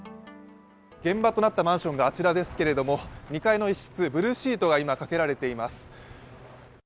現場となったマンションがあちらですけども２階の一室、ブルーシートが今、かけられています。